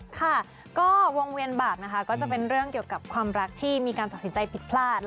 ค่ะก็วงเวียนบาปนะคะก็จะเป็นเรื่องเกี่ยวกับความรักที่มีการตัดสินใจผิดพลาด